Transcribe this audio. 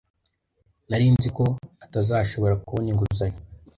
Nari nzi ko atazashobora kubona inguzanyo.